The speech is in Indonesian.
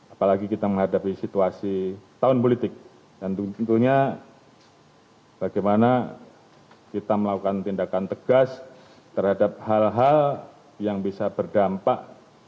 apalagi kita menghadapi situasi tahun politik dan tentunya bagaimana kita melakukan tindakan tegas terhadap hal hal yang bisa berdampak